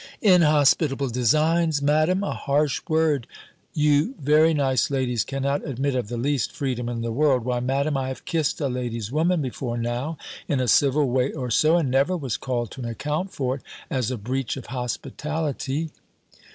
"Inhospitable designs! Madam! A harsh word! You very nice ladies cannot admit of the least freedom in the world! Why, Madam, I have kiss'd a lady's woman before now, in a civil way or so, and never was called to an account for it, as a breach of hospitality."